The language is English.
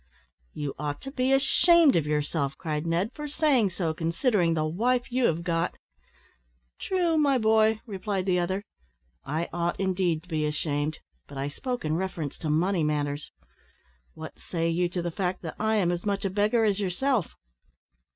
"You ought to be ashamed of yourself;" cried Ned, "for saying so, considering the wife you have got." "True, my boy," replied the other, "I ought indeed to be ashamed, but I spoke in reference to money matters. What say you to the fact, that I am as much a beggar as yourself?"